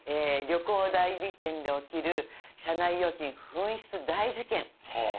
旅行代理店で起きる社内預金紛失大事件。